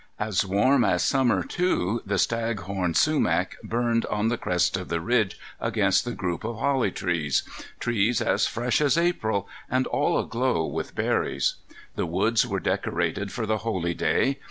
As warm as summer, too, the stag horn sumac burned on the crest of the ridge against the group of holly trees,—trees as fresh as April, and all aglow with berries. The woods were decorated for the holy day.